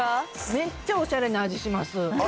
めっちゃおしゃれな味します。